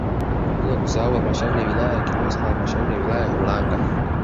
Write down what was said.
Bila kusahau halmashauri ya wilaya ya Kilosa na halmashauri ya wilaya ya Ulanga